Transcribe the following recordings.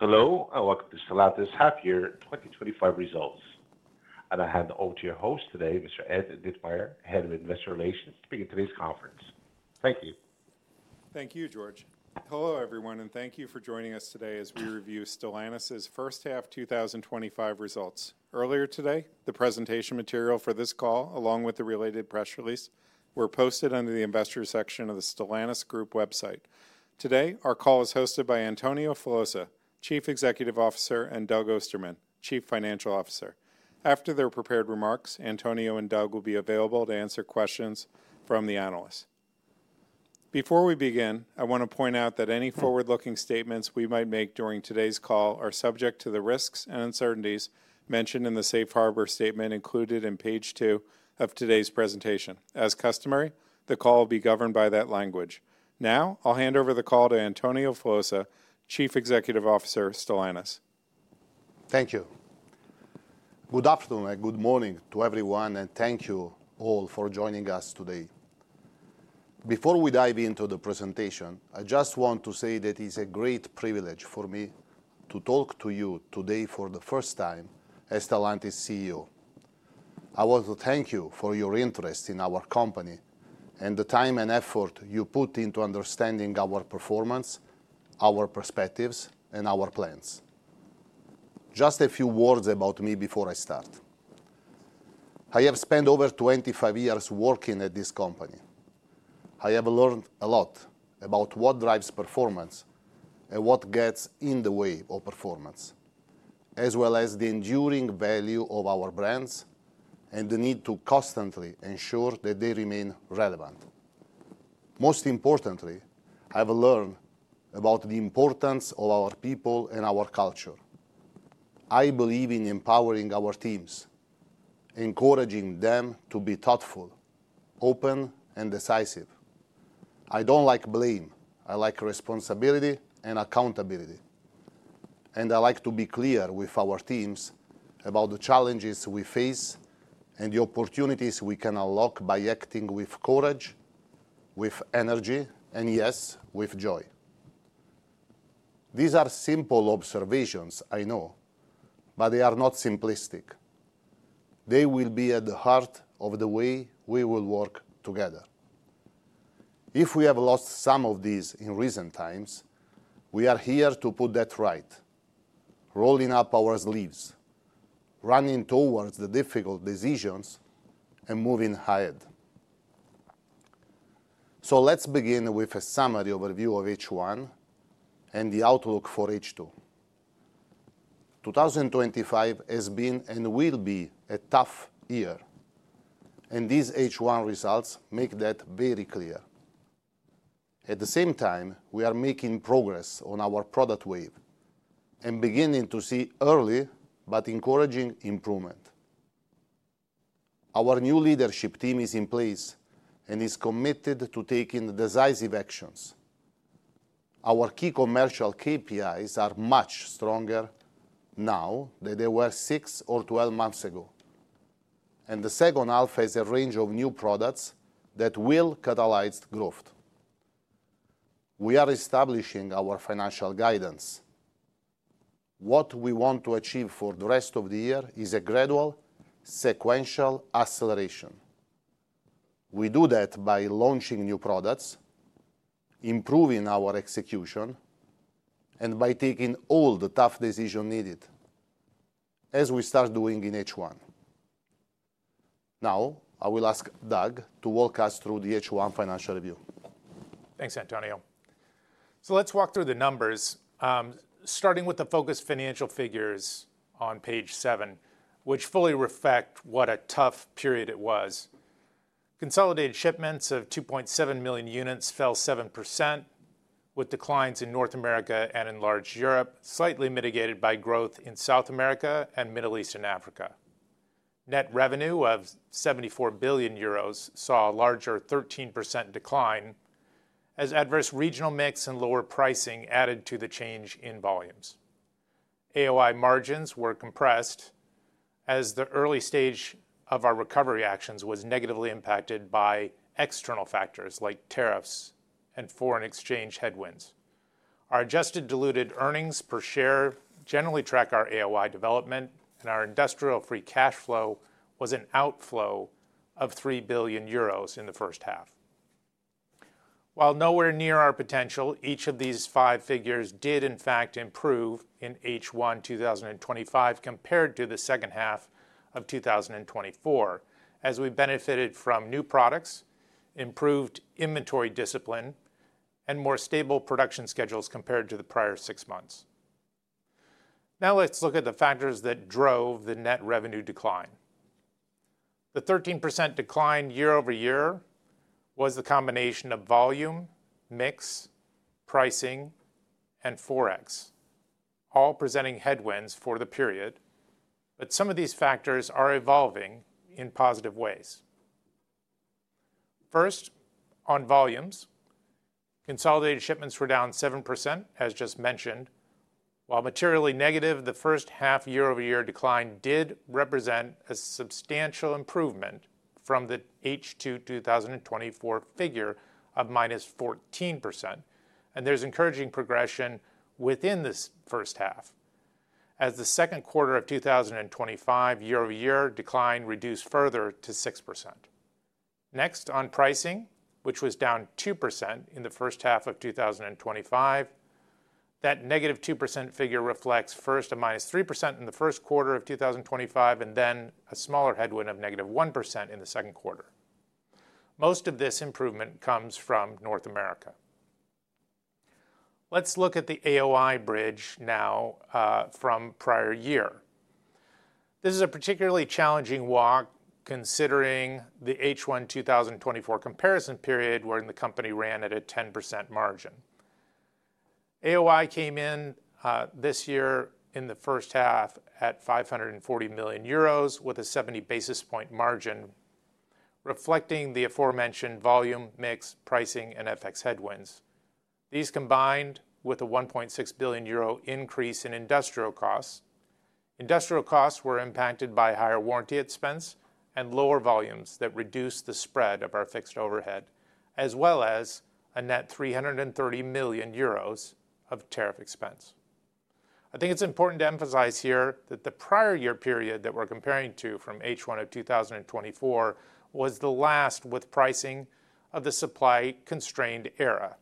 Hello. I welcome you to Stellantis half-year 2025 results. I have the honor to be your host today, Mr. Ed Ditmire, Head of Investor Relations, speaking at today's conference. Thank you. Thank you, George. Hello everyone, and thank you for joining us today as we review Stellantis's first half 2025 results. Earlier today, the presentation material for this call, along with the related press release, were posted under the investor section of the Stellantis Group website. Today, our call is hosted by Antonio Filosa, Chief Executive Officer, and Doug Ostermann, Chief Financial Officer. After their prepared remarks, Antonio and Doug will be available to answer questions from the analysts. Before we begin, I want to point out that any forward-looking statements we might make during today's call are subject to the risks and uncertainties mentioned in the Safe Harbor Statement included in page two of today's presentation. As customary, the call will be governed by that language. Now, I'll hand over the call to Antonio Filosa, Chief Executive Officer of Stellantis. Thank you. Good afternoon and good morning to everyone, and thank you all for joining us today. Before we dive into the presentation, I just want to say that it's a great privilege for me to talk to you today for the first time as Stellantis CEO. I want to thank you for your interest in our company and the time and effort you put into understanding our performance, our perspectives, and our plans. Just a few words about me before I start. I have spent over 25 years working at this company. I have learned a lot about what drives performance and what gets in the way of performance, as well as the enduring value of our brands and the need to constantly ensure that they remain relevant. Most importantly, I've learned about the importance of our people and our culture. I believe in empowering our teams, encouraging them to be thoughtful, open, and decisive. I don't like blame. I like responsibility and accountability. I like to be clear with our teams about the challenges we face and the opportunities we can unlock by acting with courage, with energy, and yes, with joy. These are simple observations, I know, but they are not simplistic. They will be at the heart of the way we will work together. If we have lost some of these in recent times, we are here to put that right, rolling up our sleeves, running towards the difficult decisions, and moving ahead. Let's begin with a summary overview of H1 and the outlook for H2. 2025 has been and will be a tough year, and these H1 results make that very clear. At the same time, we are making progress on our product wave and beginning to see early but encouraging improvement. Our new leadership team is in place and is committed to taking decisive actions. Our key commercial KPIs are much stronger now than they were 6 or 12 months ago. The second half has a range of new products that will catalyze growth. We are establishing our financial guidance. What we want to achieve for the rest of the year is a gradual, sequential acceleration. We do that by launching new products, improving our execution, and by taking all the tough decisions needed, as we start doing in H1. Now, I will ask Doug to walk us through the H1 financial review. Thanks, Antonio. So let's walk through the numbers. Starting with the focused financial figures on page seven, which fully reflect what a tough period it was. Consolidated shipments of 2.7 million units fell 7%. With declines in North America and in large Europe, slightly mitigated by growth in South America and Middle Eastern Africa. Net revenue of 74 billion euros saw a larger 13% decline as adverse regional mix and lower pricing added to the change in volumes. AOI margins were compressed as the early stage of our recovery actions was negatively impacted by external factors like tariffs and foreign exchange headwinds. Our adjusted diluted earnings per share generally track our AOI development, and our industrial free cash flow was an outflow of 3 billion euros in the first half. While nowhere near our potential, each of these five figures did, in fact, improve in H1 2025 compared to the second half of 2024, as we benefited from new products, improved inventory discipline, and more stable production schedules compared to the prior six months. Now let's look at the factors that drove the net revenue decline. The 13% decline year-over-year was the combination of volume, mix, pricing, and forex. All presenting headwinds for the period. But some of these factors are evolving in positive ways. First, on volumes. Consolidated shipments were down 7%, as just mentioned. While materially negative, the first half year-over-year decline did represent a substantial improvement from the H2 2024 figure of -14%. There's encouraging progression within this first half, as the second quarter of 2025 year-over-year decline reduced further to 6%. Next, on pricing, which was down 2% in the first half of 2025. That -2% figure reflects first a -3% in the first quarter of 2025 and then a smaller headwind of -1% in the second quarter. Most of this improvement comes from North America. Let's look at the AOI bridge now from prior year. This is a particularly challenging walk considering the H1 2024 comparison period where the company ran at a 10% margin. AOI came in this year in the first half at 540 million euros with a 70 basis point margin, reflecting the aforementioned volume, mix, pricing, and FX headwinds. These combined with a 1.6 billion euro increase in industrial costs. Industrial costs were impacted by higher warranty expense and lower volumes that reduced the spread of our fixed overhead, as well as a net 330 million euros of tariff expense. I think it's important to emphasize here that the prior year period that we're comparing to from H1 of 2024 was the last with pricing of the supply-constrained era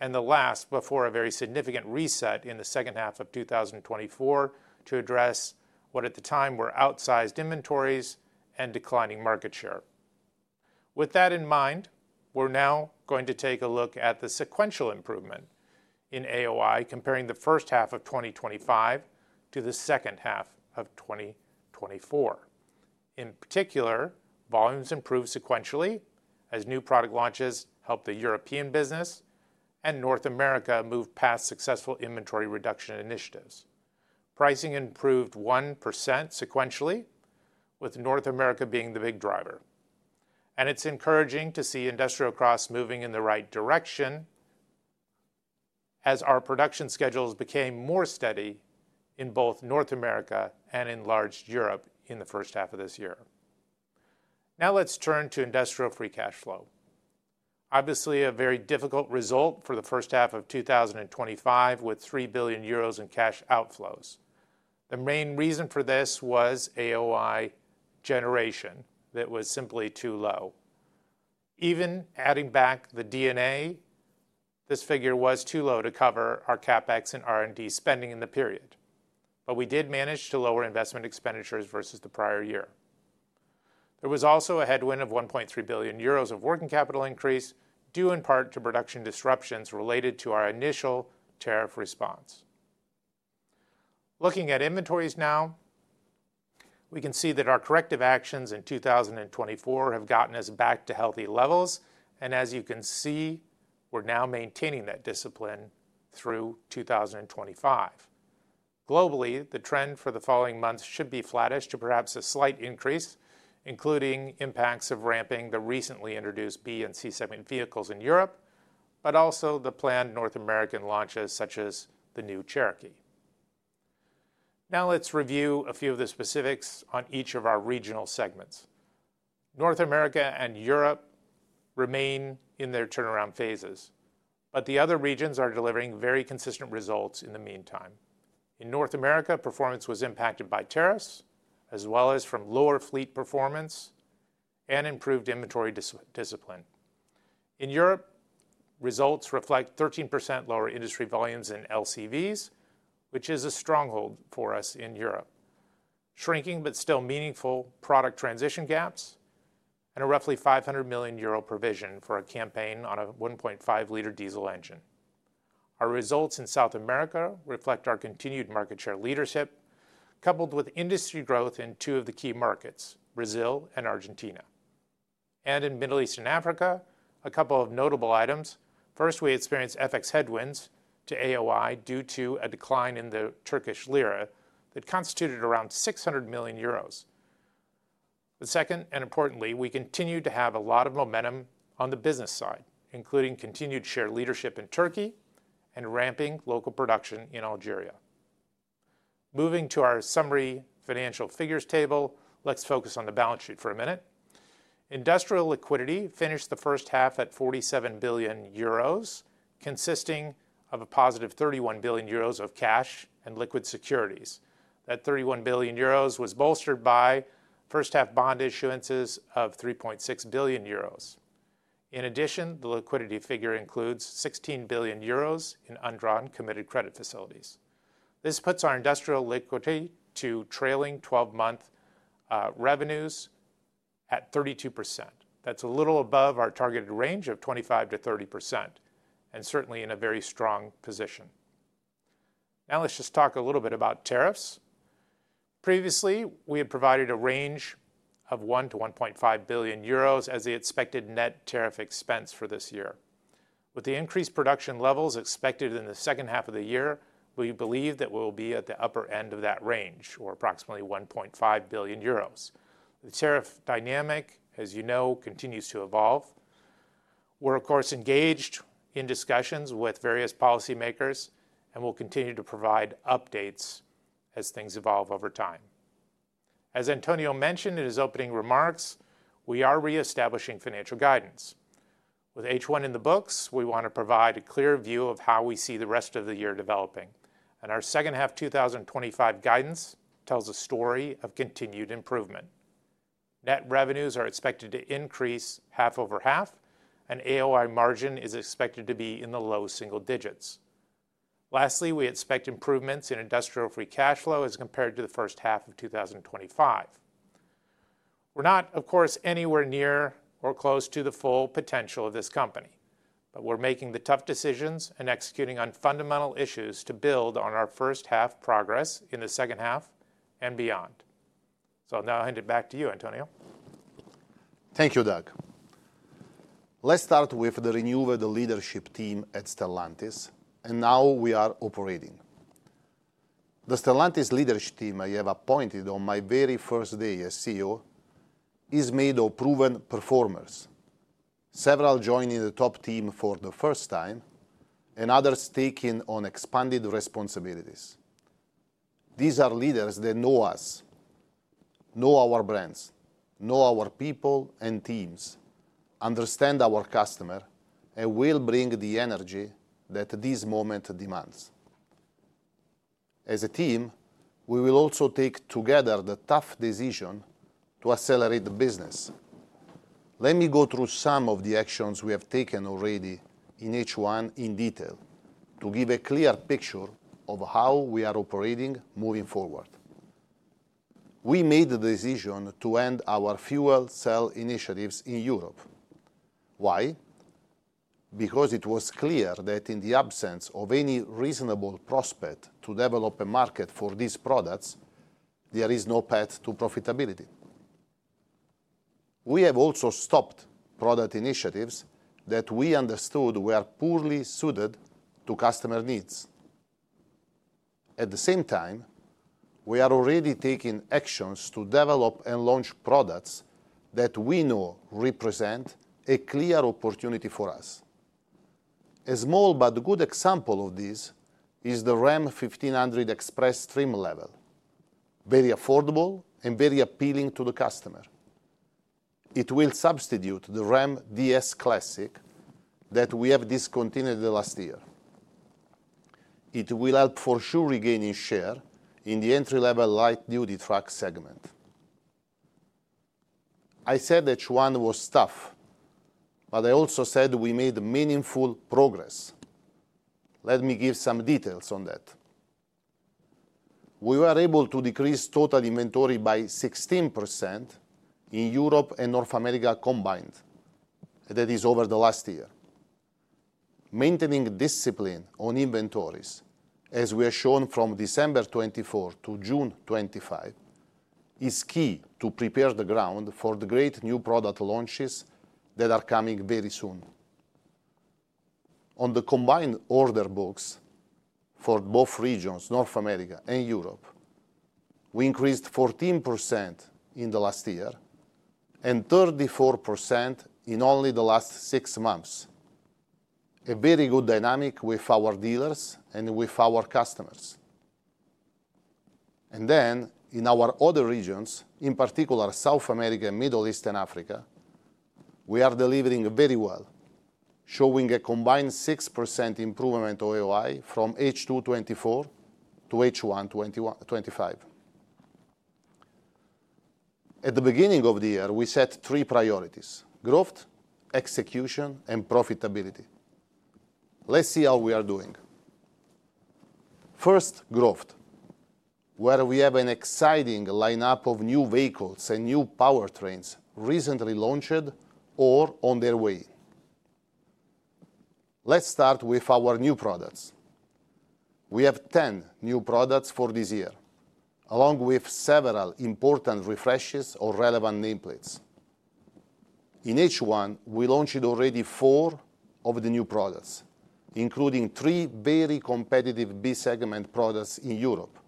and the last before a very significant reset in the second half of 2024 to address what at the time were outsized inventories and declining market share. With that in mind, we're now going to take a look at the sequential improvement in AOI, comparing the first half of 2025 to the second half of 2024. In particular, volumes improved sequentially as new product launches helped the European business and North America move past successful inventory reduction initiatives. Pricing improved 1% sequentially, with North America being the big driver. It's encouraging to see industrial costs moving in the right direction as our production schedules became more steady in both North America and in large Europe in the first half of this year. Now let's turn to industrial free cash flow. Obviously, a very difficult result for the first half of 2025 with 3 billion euros in cash outflows. The main reason for this was AOI generation that was simply too low. Even adding back the DNA, this figure was too low to cover our CapEx and R&D spending in the period. We did manage to lower investment expenditures versus the prior year. There was also a headwind of 1.3 billion euros of working capital increase due in part to production disruptions related to our initial tariff response. Looking at inventories now, we can see that our corrective actions in 2024 have gotten us back to healthy levels. As you can see, we're now maintaining that discipline through 2025. Globally, the trend for the following months should be flattish to perhaps a slight increase, including impacts of ramping the recently introduced B and C segment vehicles in Europe, but also the planned North American launches such as the new Cherokee. Now let's review a few of the specifics on each of our regional segments. North America and Europe remain in their turnaround phases, but the other regions are delivering very consistent results in the meantime. In North America, performance was impacted by tariffs, as well as from lower fleet performance and improved inventory discipline. In Europe, results reflect 13% lower industry volumes in LCVs, which is a stronghold for us in Europe, shrinking but still meaningful product transition gaps, and a roughly 500 million euro provision for a campaign on a 1.5 liter diesel engine. Our results in South America reflect our continued market share leadership, coupled with industry growth in two of the key markets, Brazil and Argentina. In Middle East and Africa, a couple of notable items. First, we experienced FX headwinds to AOI due to a decline in the Turkish lira that constituted around 600 million euros. The second, and importantly, we continue to have a lot of momentum on the business side, including continued share leadership in Turkey and ramping local production in Algeria. Moving to our summary financial figures table, let's focus on the balance sheet for a minute. Industrial liquidity finished the first half at 47 billion euros, consisting of a positive 31 billion euros of cash and liquid securities. That 31 billion euros was bolstered by first half bond issuances of 3.6 billion euros. In addition, the liquidity figure includes 16 billion euros in undrawn committed credit facilities. This puts our industrial liquidity to trailing 12-month revenues at 32%. That's a little above our targeted range of 25%-30%, and certainly in a very strong position. Now let's just talk a little bit about tariffs. Previously, we had provided a range of 1 billion-1.5 billion euros as the expected net tariff expense for this year. With the increased production levels expected in the second half of the year, we believe that we'll be at the upper end of that range, or approximately 1.5 billion euros. The tariff dynamic, as you know, continues to evolve. We're, of course, engaged in discussions with various policymakers and will continue to provide updates as things evolve over time. As Antonio mentioned in his opening remarks, we are reestablishing financial guidance. With H1 in the books, we want to provide a clear view of how we see the rest of the year developing. Our second half 2025 guidance tells a story of continued improvement. Net revenues are expected to increase half over half, and AOI margin is expected to be in the low single digits. Lastly, we expect improvements in industrial free cash flow as compared to the first half of 2025. We're not, of course, anywhere near or close to the full potential of this company, but we're making the tough decisions and executing on fundamental issues to build on our first half progress in the second half and beyond. I'll now hand it back to you, Antonio. Thank you, Doug. Let's start with the renewed leadership team at Stellantis, and how we are operating. The Stellantis leadership team I have appointed on my very first day as CEO is made of proven performers, several joining the top team for the first time and others taking on expanded responsibilities. These are leaders that know us, know our brands, know our people and teams, understand our customer, and will bring the energy that this moment demands. As a team, we will also take together the tough decision to accelerate the business. Let me go through some of the actions we have taken already in H1 in detail to give a clear picture of how we are operating moving forward. We made the decision to end our fuel cell initiatives in Europe. Why? Because it was clear that in the absence of any reasonable prospect to develop a market for these products, there is no path to profitability. We have also stopped product initiatives that we understood were poorly suited to customer needs. At the same time, we are already taking actions to develop and launch products that we know represent a clear opportunity for us. A small but good example of this is the RAM 1500 Express trim level. Very affordable and very appealing to the customer. It will substitute the Ram DS Classic that we have discontinued last year. It will help for sure regaining share in the entry-level light-duty truck segment. I said H1 was tough. I also said we made meaningful progress. Let me give some details on that. We were able to decrease total inventory by 16% in Europe and North America combined. That is over the last year. Maintaining discipline on inventories, as we have shown from December 2024 to June 2025, is key to prepare the ground for the great new product launches that are coming very soon. On the combined order books for both regions, North America and Europe, we increased 14% in the last year and 34% in only the last six months. A very good dynamic with our dealers and with our customers. In our other regions, in particular South America, Middle East, and Africa, we are delivering very well, showing a combined 6% improvement of AOI from H2 2024 to H1 2025. At the beginning of the year, we set three priorities: growth, execution, and profitability. Let's see how we are doing. First, growth, where we have an exciting lineup of new vehicles and new powertrains recently launched or on their way. Let's start with our new products. We have 10 new products for this year, along with several important refreshes or relevant nameplates. In H1, we launched already four of the new products, including three very competitive B segment products in Europe.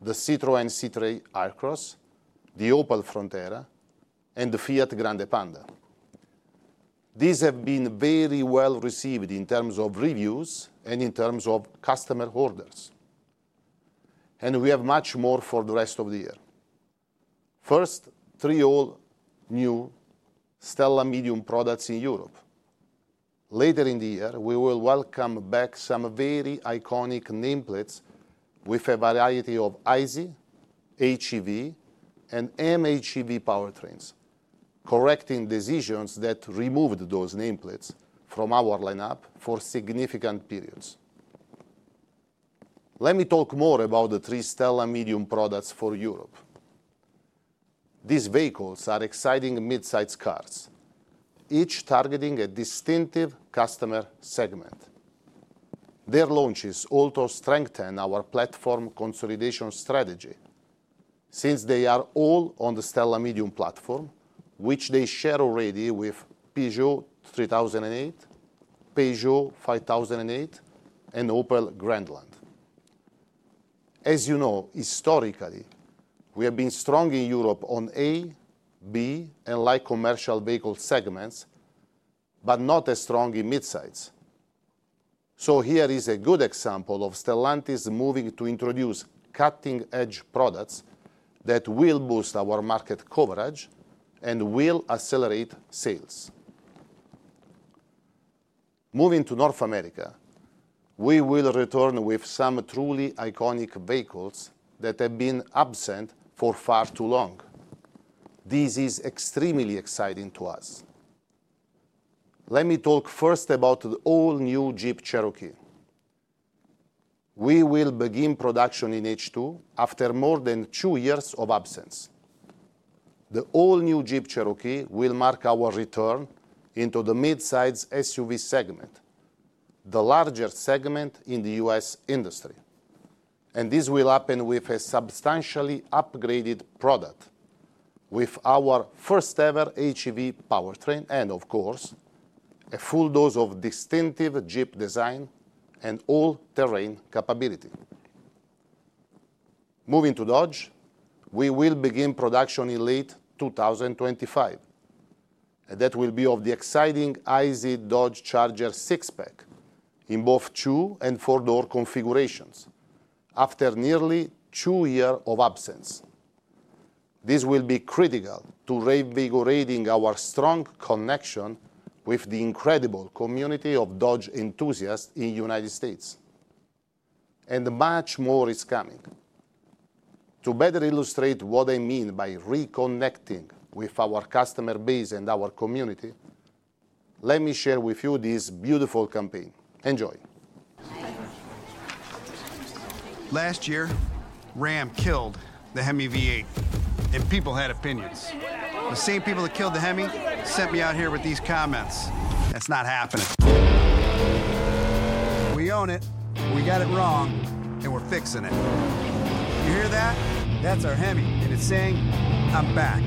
The Citroën C3 Aircross, the Opel Frontera, and the Fiat Grande Panda. These have been very well received in terms of reviews and in terms of customer orders. We have much more for the rest of the year. First, three all new Stellar medium products in Europe. Later in the year, we will welcome back some very iconic nameplates with a variety of ISE, HEV, and MHEV powertrains, correcting decisions that removed those nameplates from our lineup for significant periods. Let me talk more about the three Stellar medium products for Europe. These vehicles are exciting midsize cars, each targeting a distinctive customer segment. Their launches also strengthen our platform consolidation strategy, since they are all on the Stellar medium platform, which they share already with Peugeot 3008, Peugeot 5008, and Opel Grandland. As you know, historically, we have been strong in Europe on A, B, and light commercial vehicle segments, but not as strong in midsize. Here is a good example of Stellantis moving to introduce cutting-edge products that will boost our market coverage and will accelerate sales. Moving to North America, we will return with some truly iconic vehicles that have been absent for far too long. This is extremely exciting to us. Let me talk first about the all-new Jeep Cherokee. We will begin production in H2 after more than two years of absence. The all-new Jeep Cherokee will mark our return into the midsize SUV segment, the larger segment in the U.S. industry. This will happen with a substantially upgraded product, with our first-ever HEV powertrain and, of course, a full dose of distinctive Jeep design and all-terrain capability. Moving to Dodge, we will begin production in late 2025. That will be of the exciting ICE Dodge Charger 6-Pack in both two and four-door configurations after nearly two years of absence. This will be critical to reinvigorating our strong connection with the incredible community of Dodge enthusiasts in the United States. Much more is coming. To better illustrate what I mean by reconnecting with our customer base and our community, let me share with you this beautiful campaign. Enjoy. Last year, RAM killed the Hemi V8, and people had opinions. The same people that killed the Hemi sent me out here with these comments. That's not happening. We own it. We got it wrong, and we're fixing it. You hear that? That's our Hemi, and it's saying, "I'm back.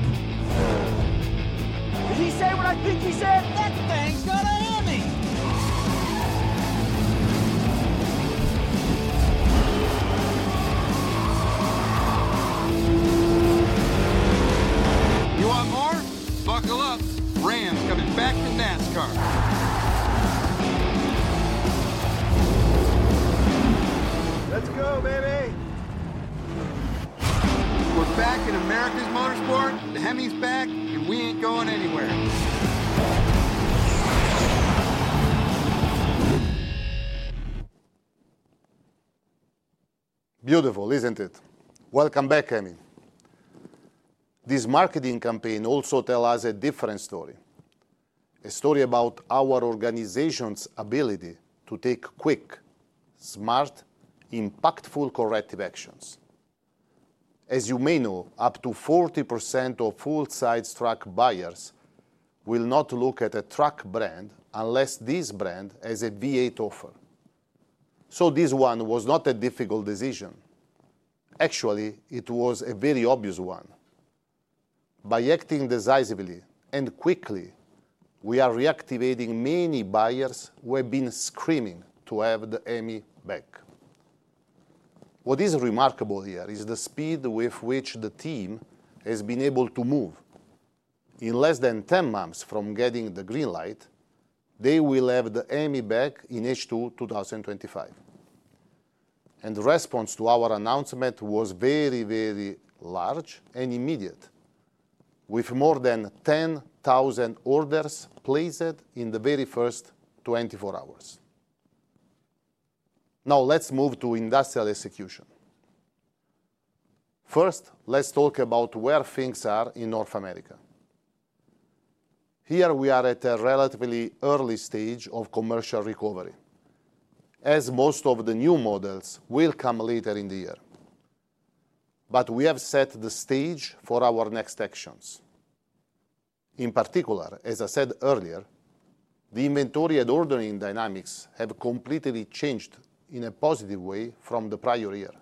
Did he say what I think he said? That thing's got a Hemi! You want more? Buckle up. RAM's coming back to NASCAR. Let's go, baby! We're back in America's motorsport. The Hemi's back, and we ain't going anywhere. Beautiful, isn't it? Welcome back, Hemi. This marketing campaign also tells us a different story. A story about our organization's ability to take quick, smart, impactful corrective actions. As you may know, up to 40% of full-size truck buyers will not look at a truck brand unless this brand has a V8 offer. This one was not a difficult decision. Actually, it was a very obvious one. By acting decisively and quickly, we are reactivating many buyers who have been screaming to have the Hemi back. What is remarkable here is the speed with which the team has been able to move. In less than 10 months from getting the green light, they will have the Hemi back in H2 2025. The response to our announcement was very, very large and immediate, with more than 10,000 orders placed in the very first 24 hours. Now let's move to industrial execution. First, let's talk about where things are in North America. Here we are at a relatively early stage of commercial recovery, as most of the new models will come later in the year. We have set the stage for our next actions. In particular, as I said earlier, the inventory and ordering dynamics have completely changed in a positive way from the prior year.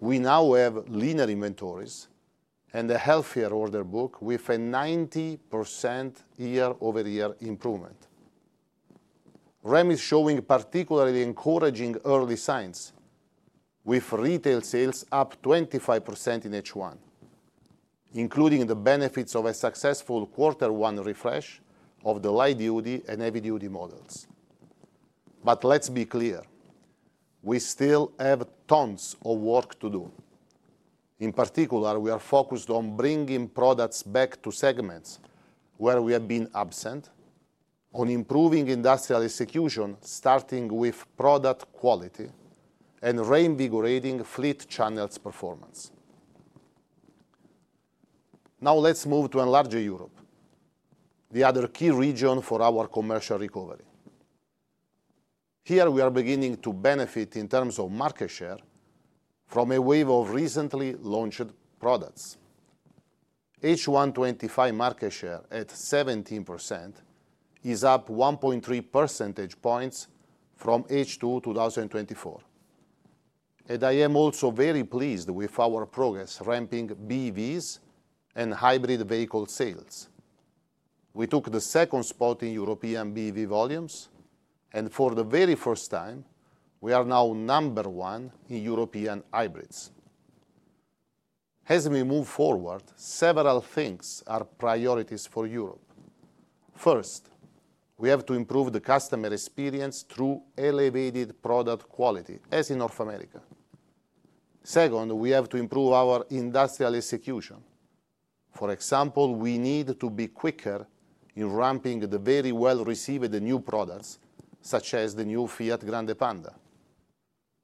We now have leaner inventories and a healthier order book with a 90% year-over-year improvement. RAM is showing particularly encouraging early signs, with retail sales up 25% in H1, including the benefits of a successful quarter one refresh of the light-duty and heavy-duty models. Let's be clear. We still have tons of work to do. In particular, we are focused on bringing products back to segments where we have been absent, on improving industrial execution, starting with product quality and reinvigorating fleet channels performance. Now let's move to a larger Europe, the other key region for our commercial recovery. Here we are beginning to benefit in terms of market share from a wave of recently launched products. H1 2025 market share at 17% is up 1.3 percentage points from H2 2024. I am also very pleased with our progress ramping BEVs and hybrid vehicle sales. We took the second spot in European BEV volumes, and for the very first time, we are now number one in European hybrids. As we move forward, several things are priorities for Europe. First, we have to improve the customer experience through elevated product quality, as in North America. Second, we have to improve our industrial execution. For example, we need to be quicker in ramping the very well-received new products, such as the new Fiat Grande Panda.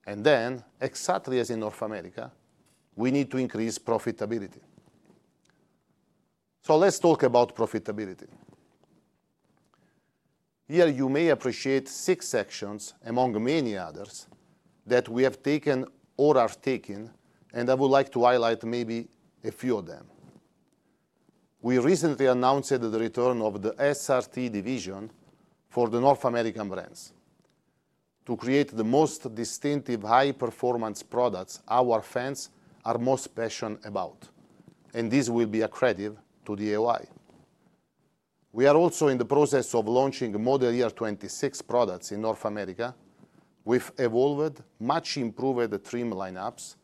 Then, exactly as in North America, we need to increase profitability. Let's talk about profitability. Here you may appreciate six sections among many others that we have taken or are taking, and I would like to highlight maybe a few of them. We recently announced the return of the SRT division for the North American brands to create the most distinctive high-performance products our fans are most passionate about. This will be accredited to the AOI. We are also in the process of launching Model Year 2026 products in North America with evolved, much improved trim lineups,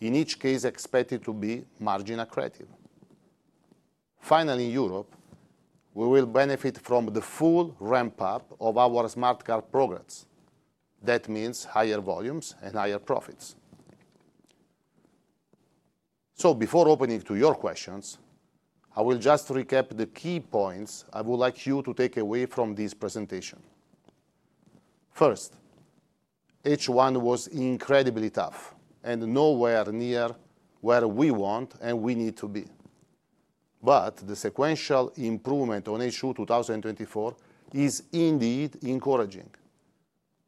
in each case expected to be margin accredited. Finally, in Europe, we will benefit from the full ramp-up of our smart car progress. That means higher volumes and higher profits. Before opening to your questions, I will just recap the key points I would like you to take away from this presentation. First, H1 was incredibly tough and nowhere near where we want and we need to be. The sequential improvement on H2 2024 is indeed encouraging.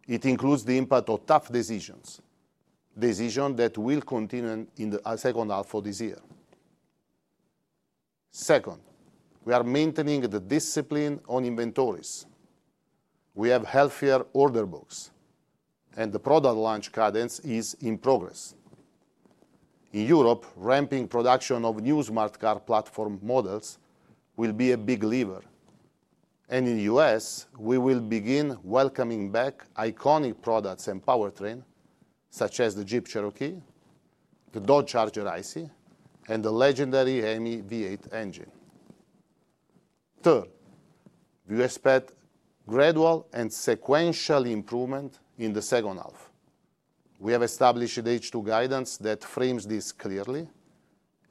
It includes the impact of tough decisions, decisions that will continue in the second half of this year. Second, we are maintaining the discipline on inventories. We have healthier order books, and the product launch cadence is in progress. In Europe, ramping production of new smart car platform models will be a big lever. In the U.S., we will begin welcoming back iconic products and powertrain, such as the Jeep Cherokee, the Dodge Charger ICE, and the legendary Hemi V8 engine. Third, we expect gradual and sequential improvement in the second half. We have established the H2 guidance that frames this clearly,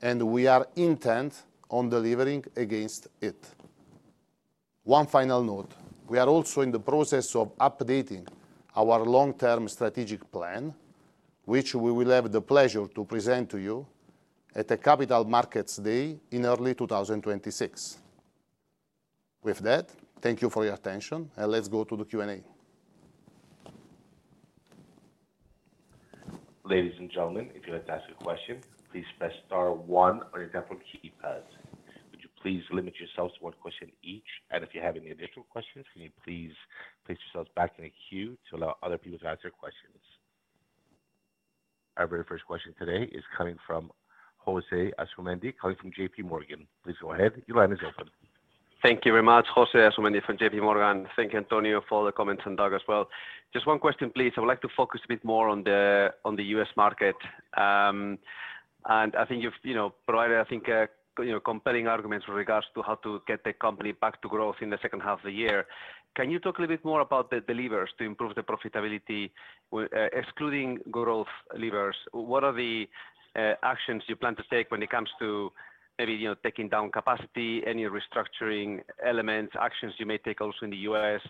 and we are intent on delivering against it. One final note: we are also in the process of updating our long-term strategic plan, which we will have the pleasure to present to you at the Capital Markets Day in early 2026. With that, thank you for your attention, and let's go to the Q&A. Ladies and gentlemen, if you'd like to ask a question, please press star one on your telephone keypad. Would you please limit yourselves to one question each? If you have any additional questions, can you please place yourselves back in the queue to allow other people to ask questions? Our very first question today is coming from José Asumendi, calling from JPMorgan. Please go ahead. Your line is open. Thank you very much, José Asumendi from JP Morgan. Thank you, Antonio, for all the comments on Dodge as well. Just one question, please. I would like to focus a bit more on the U.S. market. I think you've provided, I think, compelling arguments with regards to how to get the company back to growth in the second half of the year. Can you talk a little bit more about the levers to improve the profitability, excluding growth levers? What are the actions you plan to take when it comes to maybe taking down capacity, any restructuring elements, actions you may take also in the U.S.?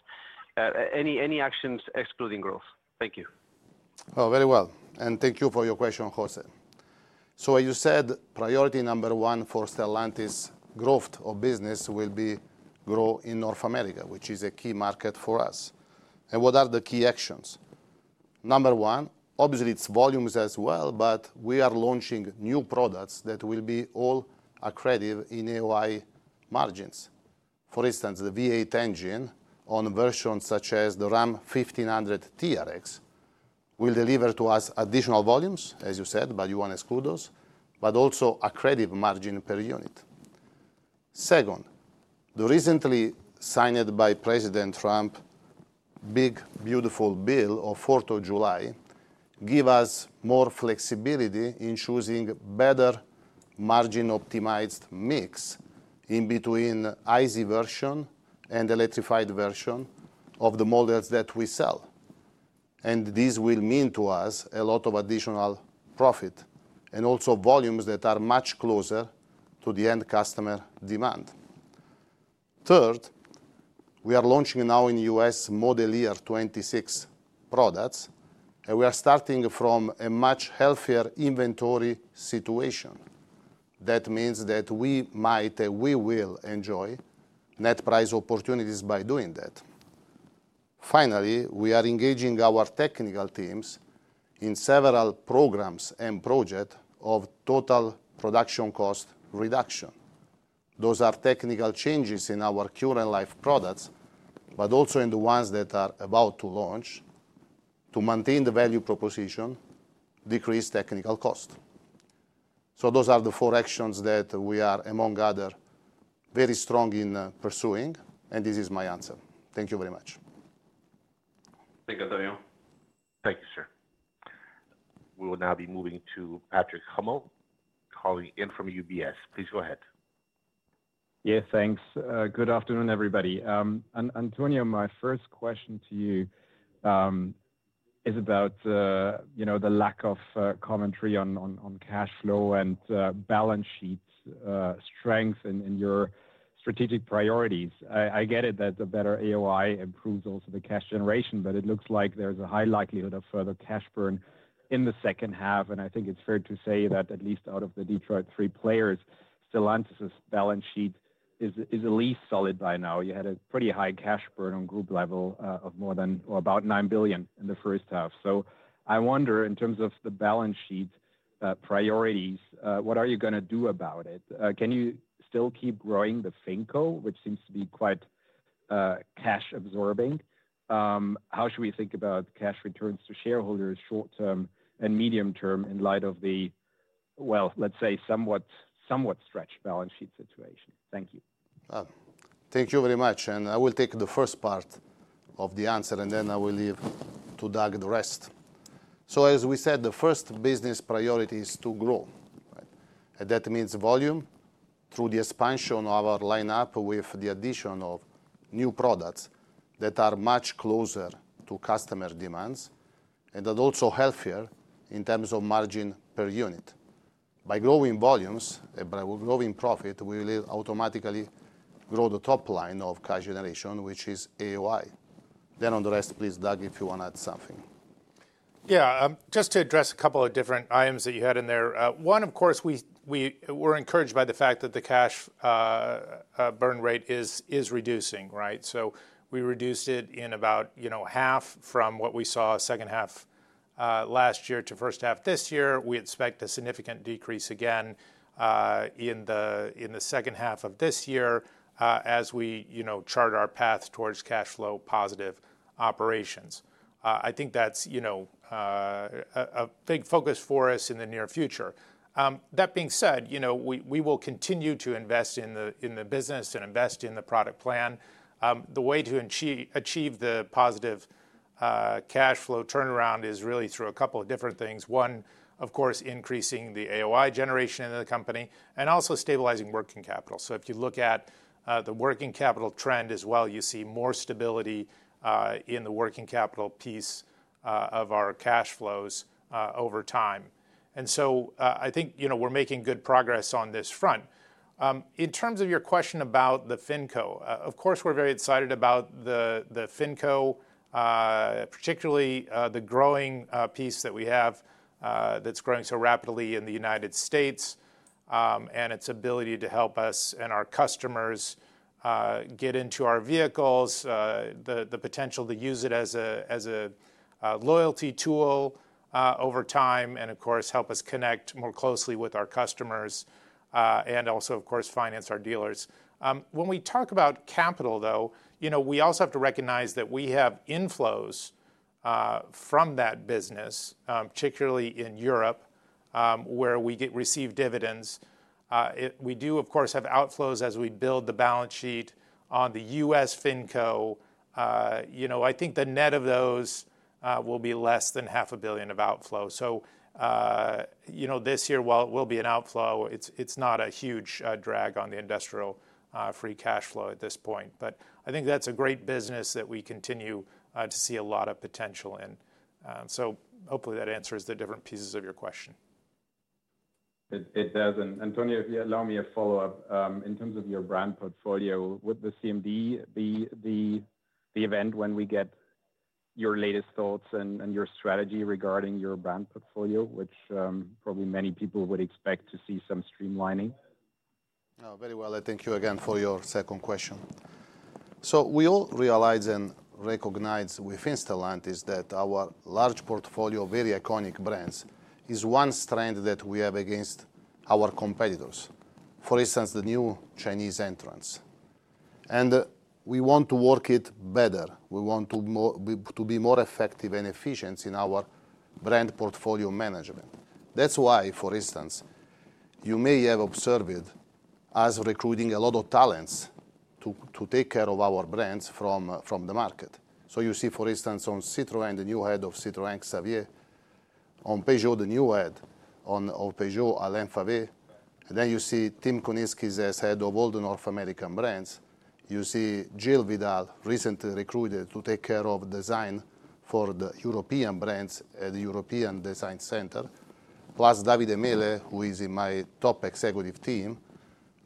Any actions excluding growth? Thank you. Oh, very well. Thank you for your question, José. As you said, priority number one for Stellantis' growth of business will be grow in North America, which is a key market for us. What are the key actions? Number one, obviously, it's volumes as well, but we are launching new products that will be all accredited in AOI margins. For instance, the V8 engine on versions such as the RAM 1500 TRX will deliver to us additional volumes, as you said, but you want to exclude those, but also accredited margin per unit. Second, the recently signed by President Trump, big, beautiful bill of 4th of July, gives us more flexibility in choosing better margin-optimized mix in between ICE version and electrified version of the models that we sell. This will mean to us a lot of additional profit and also volumes that are much closer to the end customer demand. Third, we are launching now in the U.S. Model Year 2026 products, and we are starting from a much healthier inventory situation. That means that we might, and we will, enjoy net price opportunities by doing that. Finally, we are engaging our technical teams in several programs and projects of total production cost reduction. Those are technical changes in our current life products, but also in the ones that are about to launch, to maintain the value proposition. Decrease technical cost. Those are the four actions that we are, among others, very strong in pursuing, and this is my answer. Thank you very much. Thank you, Antonio. Thank you, sir. We will now be moving to Patrick Hummel, calling in from UBS. Please go ahead. Yeah, thanks. Good afternoon, everybody. Antonio, my first question to you is about the lack of commentary on cash flow and balance sheet strength in your strategic priorities. I get it that a better AOI improves also the cash generation, but it looks like there's a high likelihood of further cash burn in the second half. I think it's fair to say that at least out of the Detroit three players, Stellantis' balance sheet is at least solid by now. You had a pretty high cash burn on group level of more than about 9 billion in the first half. I wonder, in terms of the balance sheet priorities, what are you going to do about it? Can you still keep growing the FINCO, which seems to be quite cash-absorbing? How should we think about cash returns to shareholders short-term and medium-term in light of the somewhat stretched balance sheet situation? Thank you. Thank you very much. I will take the first part of the answer, and then I will leave to Doug the rest. As we said, the first business priority is to grow. That means volume through the expansion of our lineup with the addition of new products that are much closer to customer demands and are also healthier in terms of margin per unit. By growing volumes and by growing profit, we will automatically grow the top line of cash generation, which is AOI. On the rest, please, Doug, if you want to add something. Yeah, just to address a couple of different items that you had in there. One, of course, we were encouraged by the fact that the cash burn rate is reducing, right? So we reduced it in about half from what we saw second half last year to first half this year. We expect a significant decrease again in the second half of this year as we chart our path towards cash flow positive operations. I think that's a big focus for us in the near future. That being said, we will continue to invest in the business and invest in the product plan. The way to achieve the positive cash flow turnaround is really through a couple of different things. One, of course, increasing the AOI generation in the company and also stabilizing working capital. If you look at the working capital trend as well, you see more stability in the working capital piece of our cash flows over time. I think we're making good progress on this front. In terms of your question about the FINCO, of course, we're very excited about the FINCO, particularly the growing piece that we have that's growing so rapidly in the United States and its ability to help us and our customers get into our vehicles, the potential to use it as a loyalty tool over time, and of course, help us connect more closely with our customers and also, of course, finance our dealers. When we talk about capital, though, we also have to recognize that we have inflows from that business, particularly in Europe, where we receive dividends. We do, of course, have outflows as we build the balance sheet on the US FINCO. I think the net of those will be less than 500 million of outflow. This year, while it will be an outflow, it's not a huge drag on the industrial free cash flow at this point. I think that's a great business that we continue to see a lot of potential in. Hopefully that answers the different pieces of your question. It does. Antonio, if you allow me a follow-up, in terms of your brand portfolio, would the CMD, the event when we get your latest thoughts and your strategy regarding your brand portfolio, which probably many people would expect to see some streamlining? No, very well. I thank you again for your second question. We all realize and recognize within Stellantis that our large portfolio of very iconic brands is one strength that we have against our competitors. For instance, the new Chinese entrants. We want to work it better. We want to be more effective and efficient in our brand portfolio management. That is why, for instance, you may have observed us recruiting a lot of talents to take care of our brands from the market. You see, for instance, on Citroën, the new head of Citroën, Xavier. On Peugeot, the new head of Peugeot, Alain Favé. You see Tim Konetskis, as Head of all the North American brands. You see Jill Vidal, recently recruited to take care of design for the European brands at the European Design Center, plus David Emele, who is in my top executive team,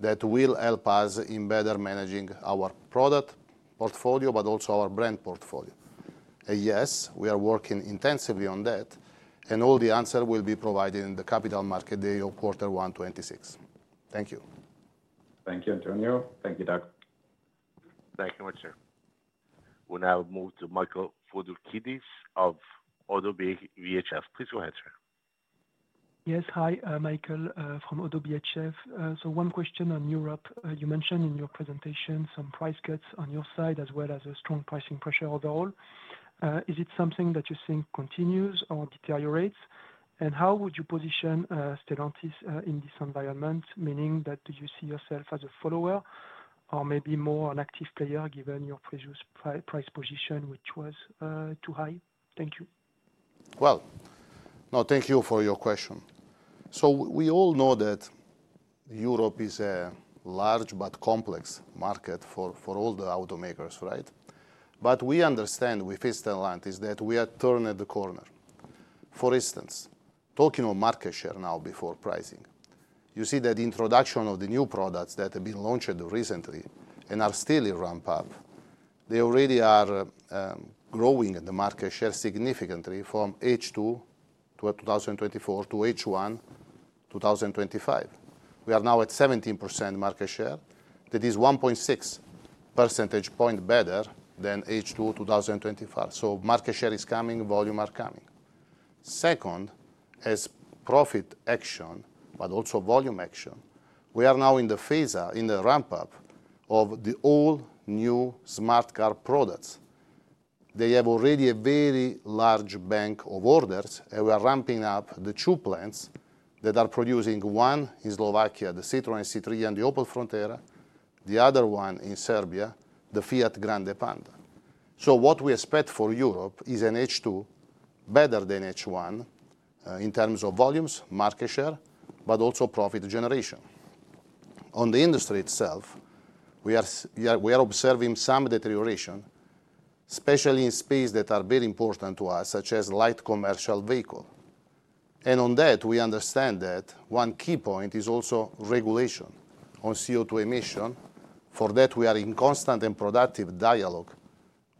that will help us in better managing our product portfolio, but also our brand portfolio. Yes, we are working intensively on that. All the answers will be provided in the capital market day of quarter 1, 2026. Thank you. Thank you, Antonio. Thank you, Doug. Thank you much, sir. We'll now move to Michael Foundoukidis of ODDO BHF. Please go ahead, sir. Yes, hi, Michael from ODDO BHF. One question on Europe. You mentioned in your presentation some price cuts on your side, as well as strong pricing pressure overall. Is it something that you think continues or deteriorates? How would you position Stellantis in this environment, meaning that do you see yourself as a follower or maybe more an active player given your previous price position, which was too high? Thank you. Thank you for your question. We all know that Europe is a large but complex market for all the automakers, right? We understand with Stellantis that we are turning the corner. For instance, talking on market share now before pricing, you see that the introduction of the new products that have been launched recently and are still in ramp-up, they already are growing in the market share significantly from H2 2024 to H1 2025. We are now at 17% market share. That is 1.6 percentage points better than H2 2025. Market share is coming, volume is coming. Second, as profit action, but also volume action, we are now in the phase, in the ramp-up of the all-new smart car products. They have already a very large bank of orders, and we are ramping up the two plants that are producing, one in Slovakia, the Citroën C3 Aircross and the Opel Frontera, the other one in Serbia, the Fiat Grande Panda. What we expect for Europe is an H2 better than H1 in terms of volumes, market share, but also profit generation. On the industry itself, we are observing some deterioration, especially in spaces that are very important to us, such as light commercial vehicles. On that, we understand that one key point is also regulation on CO2 emission. For that, we are in constant and productive dialogue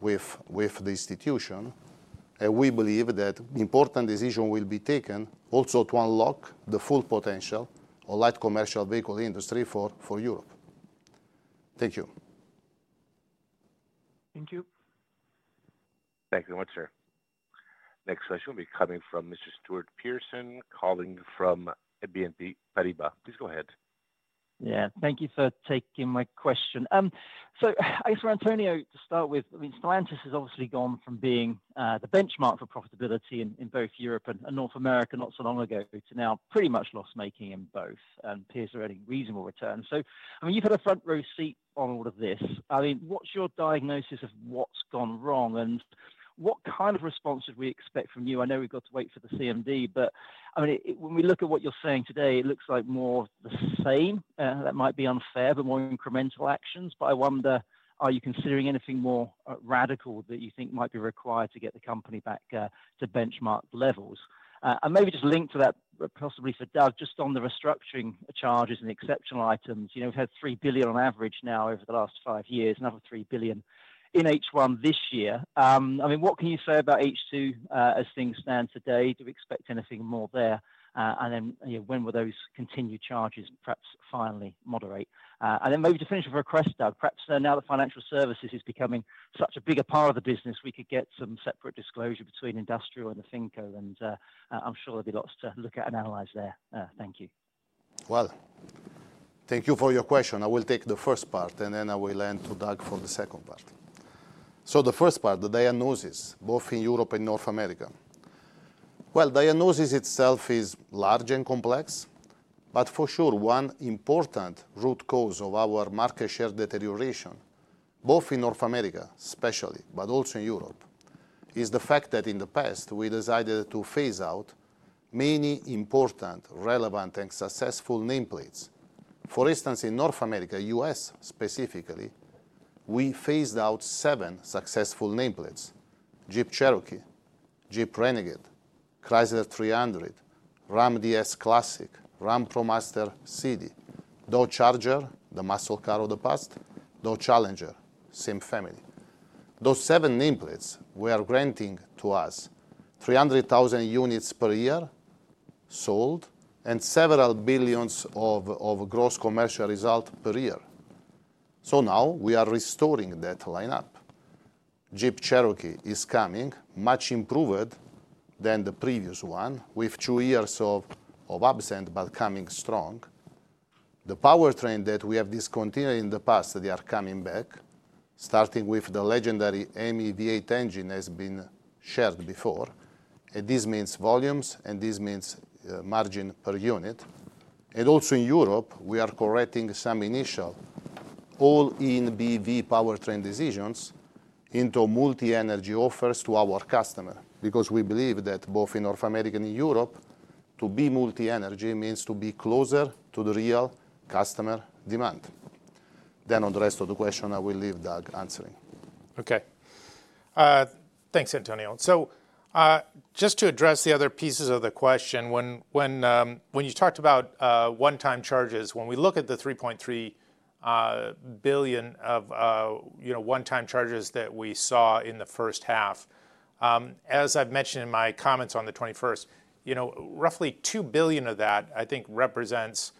with the institution. We believe that important decisions will be taken also to unlock the full potential of the light commercial vehicle industry for Europe. Thank you. Thank you. Thank you very much, sir. Next question will be coming from Mr. Stuart Pearson, calling from BNP Paribas. Please go ahead. Yeah, thank you for taking my question. I guess for Antonio, to start with, I mean, Stellantis has obviously gone from being the benchmark for profitability in both Europe and North America not so long ago to now pretty much loss-making in both, and peers are earning reasonable returns. I mean, you've had a front-row seat on all of this. What's your diagnosis of what's gone wrong? What kind of response should we expect from you? I know we've got to wait for the CMD, but when we look at what you're saying today, it looks like more of the same. That might be unfair, but more incremental actions. I wonder, are you considering anything more radical that you think might be required to get the company back to benchmark levels? Maybe just linked to that, possibly for Doug, just on the restructuring charges and the exceptional items. We've had 3 billion on average now over the last five years, another 3 billion in H1 this year. What can you say about H2 as things stand today? Do we expect anything more there? When will those continued charges perhaps finally moderate? Maybe to finish with a request, Doug, perhaps now that financial services is becoming such a bigger part of the business, we could get some separate disclosure between industrial and the FINCO, and I'm sure there'll be lots to look at and analyze there. Thank you. Thank you for your question. I will take the first part, and then I will hand to Doug for the second part. The first part, the diagnosis, both in Europe and North America. Diagnosis itself is large and complex, but for sure, one important root cause of our market share deterioration, both in North America especially, but also in Europe, is the fact that in the past, we decided to phase out many important, relevant, and successful nameplates. For instance, in North America, U.S. specifically, we phased out seven successful nameplates: Jeep Cherokee, Jeep Renegade, Chrysler 300, Ram DS Classic, Ram ProMaster City, Dodge Charger, the muscle car of the past, Dodge Challenger, same family. Those seven nameplates were granting to us 300,000 units per year sold and several billions of gross commercial result per year. Now we are restoring that lineup. Jeep Cherokee is coming, much improved than the previous one, with two years of absence, but coming strong. The powertrain that we have discontinued in the past, they are coming back. Starting with the legendary HEMI V8 engine as has been shared before. This means volumes, and this means margin per unit. Also in Europe, we are correcting some initial all BEV powertrain decisions into multi-energy offers to our customer, because we believe that both in North America and in Europe, to be multi-energy means to be closer to the real customer demand. On the rest of the question, I will leave Doug answering. Okay. Thanks, Antonio. Just to address the other pieces of the question, when you talked about one-time charges, when we look at the 3.3 billion of one-time charges that we saw in the first half, as I have mentioned in my comments on the 21st, roughly 2 billion of that, I think, represents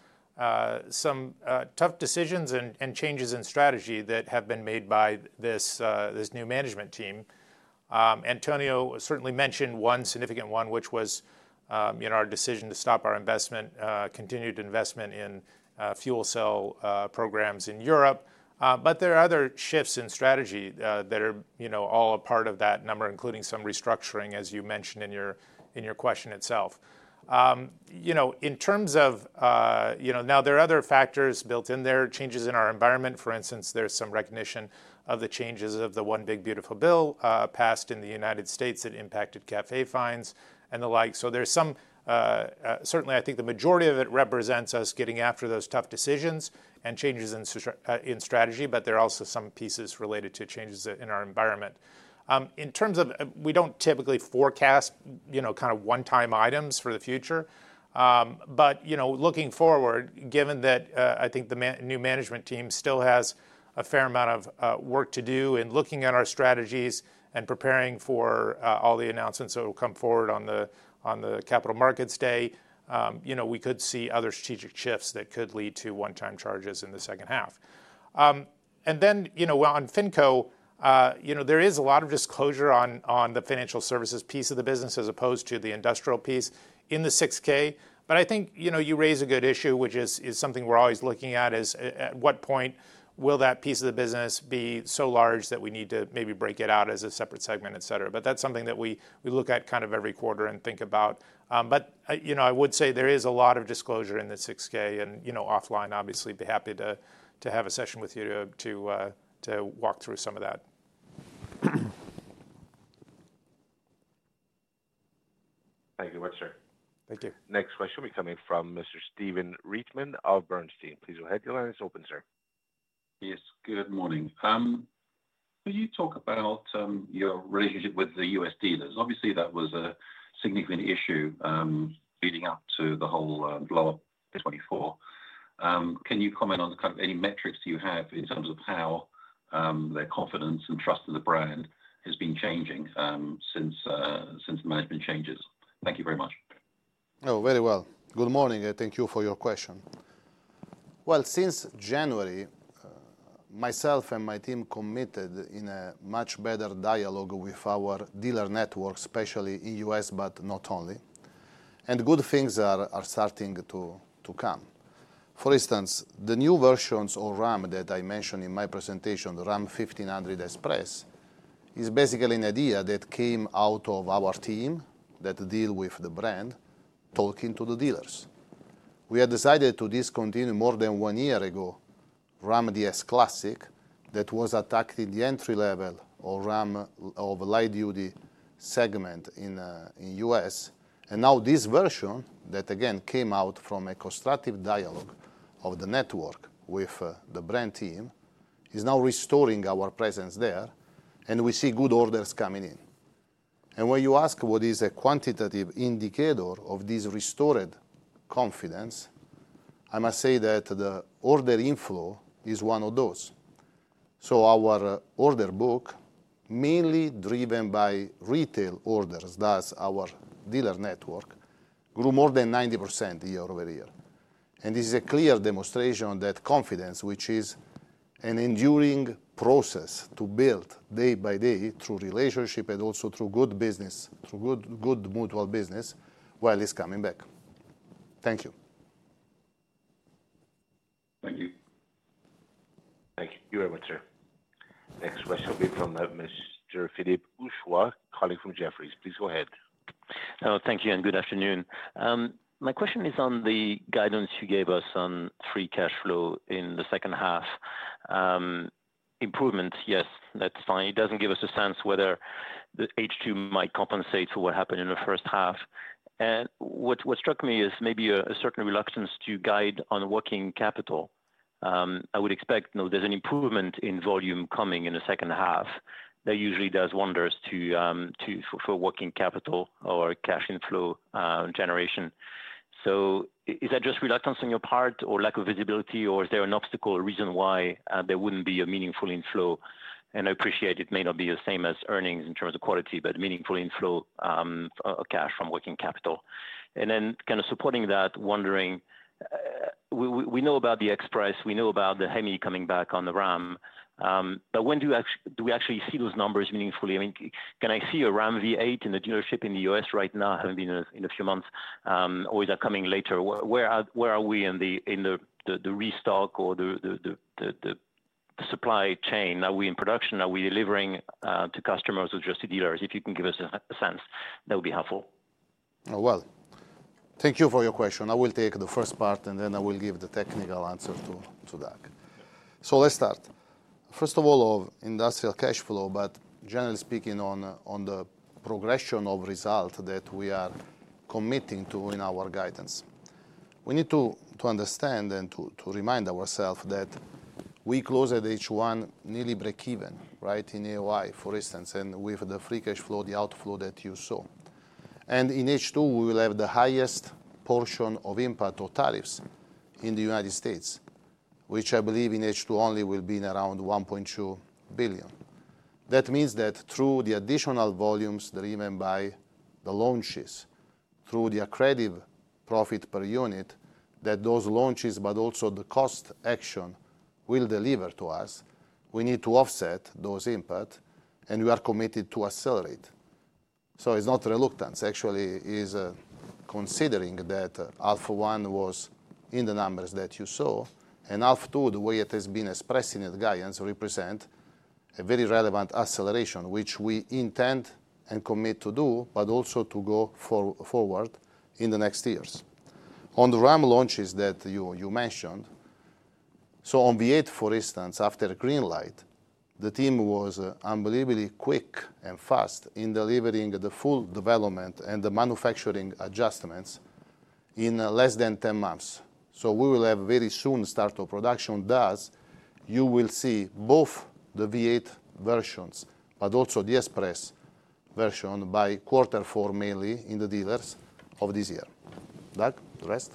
some tough decisions and changes in strategy that have been made by this new management team. Antonio certainly mentioned one significant one, which was our decision to stop our continued investment in fuel cell programs in Europe. There are other shifts in strategy that are all a part of that number, including some restructuring, as you mentioned in your question itself. There are other factors built in there, changes in our environment. For instance, there is some recognition of the changes of the One Big Beautiful Bill passed in the United States that impacted Corporate Average Fuel Economy fines and the like. Certainly, I think the majority of it represents us getting after those tough decisions and changes in strategy, but there are also some pieces related to changes in our environment. We do not typically forecast kind of one-time items for the future. Looking forward, given that I think the new management team still has a fair amount of work to do in looking at our strategies and preparing for all the announcements that will come forward on the capital markets day, we could see other strategic shifts that could lead to one-time charges in the second half. On FINCO, there is a lot of disclosure on the financial services piece of the business as opposed to the industrial piece in the 6K. I think you raise a good issue, which is something we are always looking at, is at what point will that piece of the business be so large that we need to maybe break it out as a separate segment, etc. That is something that we look at kind of every quarter and think about. I would say there is a lot of disclosure in the 6K, and offline, obviously, I would be happy to have a session with you to walk through some of that. Thank you very much, sir. Thank you. Next question will be coming from Mr. Stephen Reitman of Bernstein. Please go ahead. Your line is open, sir. Yes, good morning. Could you talk about your relationship with the U.S. dealers? Obviously, that was a significant issue leading up to the whole blow-up 2024. Can you comment on kind of any metrics you have in terms of how their confidence and trust in the brand has been changing since the management changes? Thank you very much. Oh, very well. Good morning. Thank you for your question. Since January, myself and my team committed to a much better dialogue with our dealer network, especially in the U.S., but not only. Good things are starting to come. For instance, the new versions of Ram that I mentioned in my presentation, the Ram 1500 Express, is basically an idea that came out of our team that deals with the brand, talking to the dealers. We had decided to discontinue more than one year ago Ram DS Classic that was attacked in the entry-level or Ram of light-duty segment in the U.S. Now this version that, again, came out from a constructive dialogue of the network with the brand team is now restoring our presence there, and we see good orders coming in. When you ask what is a quantitative indicator of this restored confidence, I must say that the order inflow is one of those. Our order book, mainly driven by retail orders, does our dealer network grew more than 90% year-over-year. This is a clear demonstration that confidence, which is an enduring process to build day by day through relationship and also through good business, through good mutual business, is coming back. Thank you. Thank you. Thank you very much, sir. Next question will be from Mr. Philippe Houchois, calling from Jefferies. Please go ahead. Hello, thank you, and good afternoon. My question is on the guidance you gave us on free cash flow in the second half. Improvements, yes, that's fine. It doesn't give us a sense whether the H2 might compensate for what happened in the first half. What struck me is maybe a certain reluctance to guide on working capital. I would expect there's an improvement in volume coming in the second half. That usually does wonders for working capital or cash inflow generation. Is that just reluctance on your part or lack of visibility, or is there an obstacle, a reason why there wouldn't be a meaningful inflow? I appreciate it may not be the same as earnings in terms of quality, but meaningful inflow of cash from working capital. Kind of supporting that, wondering, we know about the Express. We know about the Hemi coming back on the RAM. When do we actually see those numbers meaningfully? I mean, can I see a RAM V8 in the dealership in the U.S. right now, having been in a few months, or is that coming later? Where are we in the restock or the supply chain? Are we in production? Are we delivering to customers or just to dealers? If you can give us a sense, that would be helpful. Thank you for your question. I will take the first part, and then I will give the technical answer to Doug. Let's start. First of all, of industrial cash flow, but generally speaking, on the progression of result that we are committing to in our guidance. We need to understand and to remind ourselves that we closed at H1 nearly break-even, right, in AOI, for instance, and with the free cash flow, the outflow that you saw. In H2, we will have the highest portion of impact or tariffs in the United States, which I believe in H2 only will be around 1.2 billion. That means that through the additional volumes driven by the launches, through the accredited profit per unit, that those launches, but also the cost action will deliver to us. We need to offset those impacts, and we are committed to accelerate. It's not reluctance, actually, is. Considering that Alpha 1 was in the numbers that you saw, and Alpha 2, the way it has been expressed in the guidance, represents a very relevant acceleration, which we intend and commit to do, but also to go forward in the next years. On the Ram launches that you mentioned. On V8, for instance, after green light, the team was unbelievably quick and fast in delivering the full development and the manufacturing adjustments in less than 10 months. We will have very soon start of production, thus you will see both the V8 versions, but also the Express version by quarter four, mainly in the dealers of this year. Doug, the rest?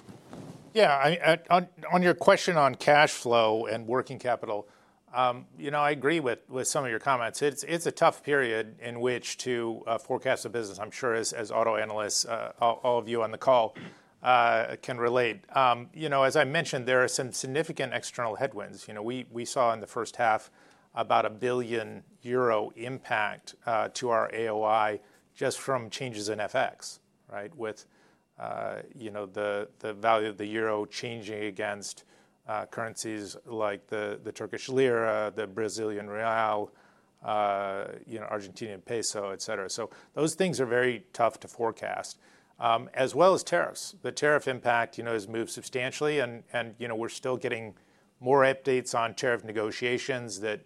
Yeah, I mean, on your question on cash flow and working capital, I agree with some of your comments. It's a tough period in which to forecast a business, I'm sure, as auto analysts, all of you on the call can relate. As I mentioned, there are some significant external headwinds. We saw in the first half about 1 billion euro impact to our AOI just from changes in FX, right, with the value of the euro changing against currencies like the Turkish lira, the Brazilian real, Argentinian peso, etc. Those things are very tough to forecast, as well as tariffs. The tariff impact has moved substantially, and we're still getting more updates on tariff negotiations that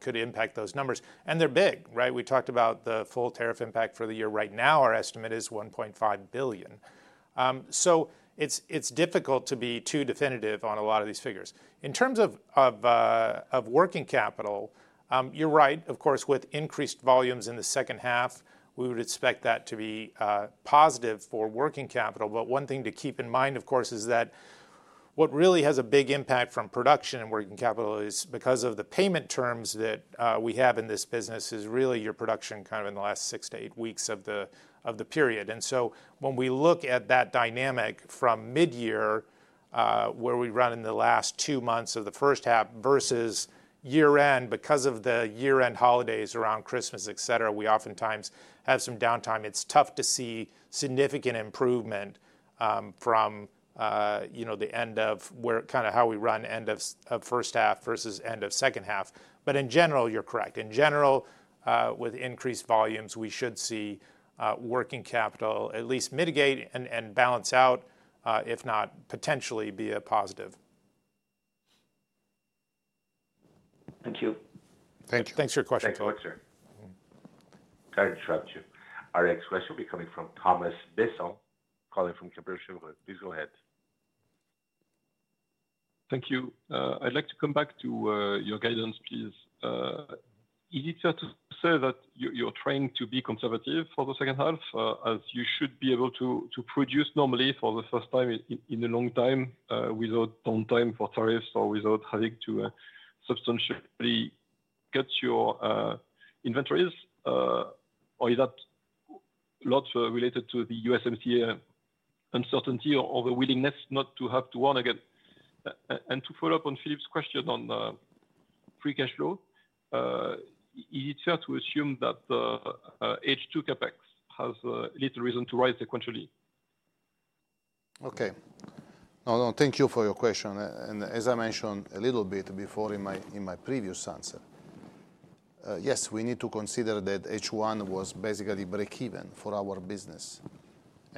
could impact those numbers. They're big, right? We talked about the full tariff impact for the year. Right now, our estimate is 1.5 billion. It's difficult to be too definitive on a lot of these figures. In terms of working capital, you're right, of course, with increased volumes in the second half, we would expect that to be positive for working capital. One thing to keep in mind, of course, is that what really has a big impact from production and working capital is because of the payment terms that we have in this business, it's really your production kind of in the last six to eight weeks of the period. When we look at that dynamic from mid-year, where we run in the last two months of the first half versus year-end, because of the year-end holidays around Christmas, etc, we oftentimes have some downtime. It's tough to see significant improvement from the end of kind of how we run end of first half versus end of second half. In general, you're correct. In general, with increased volumes, we should see working capital at least mitigate and balance out, if not potentially be a positive. Thank you. Thank you. Thanks for your question. Thank you, Alex. Sorry to interrupt you. Our next question will be coming from Thomas Besson, calling from Kepler Cheuvreux. Please go ahead. Thank you. I'd like to come back to your guidance, please. Is it fair to say that you're trying to be conservative for the second half, as you should be able to produce normally for the first time in a long time without downtime for tariffs or without having to substantially cut your inventories? Is that a lot related to the USMCA uncertainty or the willingness not to have to warn again? To follow up on Philippe's question on free cash flow, is it fair to assume that H2 CapEx has little reason to rise sequentially? Okay. No, no, thank you for your question. As I mentioned a little bit before in my previous answer, yes, we need to consider that H1 was basically break-even for our business.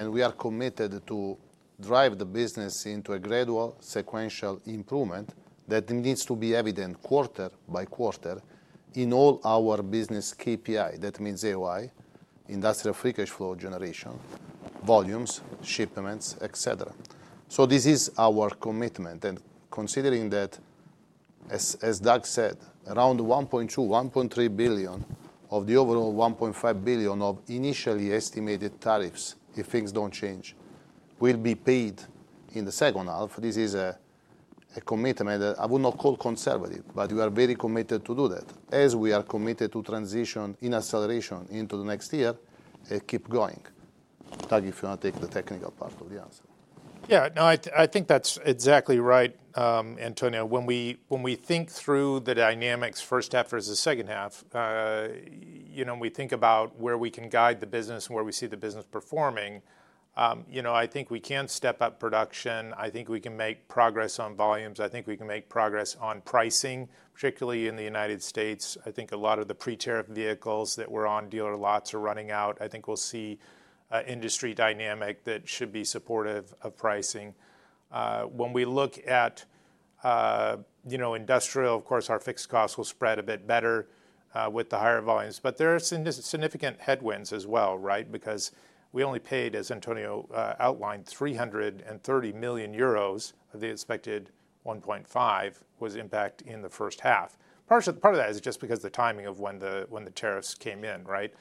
We are committed to drive the business into a gradual sequential improvement that needs to be evident quarter by quarter in all our business KPIs. That means AOI, industrial free cash flow generation, volumes, shipments, etc. This is our commitment. Considering that, as Doug said, around 1.2 billion-1.3 billion of the overall 1.5 billion of initially estimated tariffs, if things do not change, will be paid in the second half, this is a commitment that I would not call conservative, but we are very committed to do that, as we are committed to transition in acceleration into the next year and keep going. Doug, if you want to take the technical part of the answer. Yeah, no, I think that's exactly right, Antonio. When we think through the dynamics first half versus second half. When we think about where we can guide the business and where we see the business performing. I think we can step up production. I think we can make progress on volumes. I think we can make progress on pricing, particularly in the United States. I think a lot of the pre-tariff vehicles that were on dealer lots are running out. I think we'll see an industry dynamic that should be supportive of pricing. When we look at industrial, of course, our fixed costs will spread a bit better with the higher volumes. But there are significant headwinds as well, right? Because we only paid, as Antonio outlined, 330 million euros of the expected 1.5 billion impact in the first half. Part of that is just because of the timing of when the tariffs came in, right?